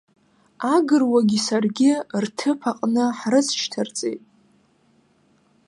Агыруагьы саргьы рҭыԥ аҟны ҳрыцшьҭарҵеит.